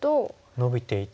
ノビていって。